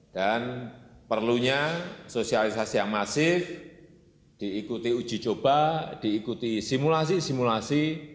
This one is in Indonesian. dan perlunya sosialisasi yang masif diikuti uji coba diikuti simulasi simulasi